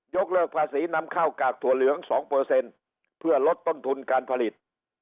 กเลิกภาษีนำข้าวกากถั่วเหลือง๒เพื่อลดต้นทุนการผลิต